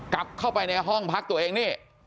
กลับเข้าไปในห้องพักตัวเองนี่